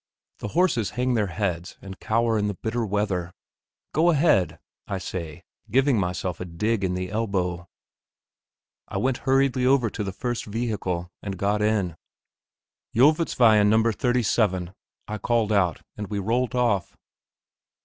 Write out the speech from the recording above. The horses hang their heads and cower in the bitter weather. "Go ahead!" I say, giving myself a dig with my elbow. I went hurriedly over to the first vehicle, and got in. "Ullevoldsveien, No. 37," I called out, and we rolled off.